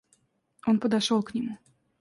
Он подошел к нему.